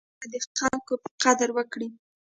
یوټوبر باید د خلکو قدر وکړي.